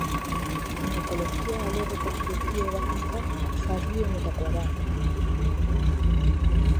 Ginekologia alorreko kirurgia ebakuntza sarrienenetakoa da.